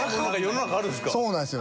そうなんですよ。